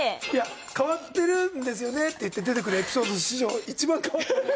「変わってるんですよね」って言って出てくるエピソード史上。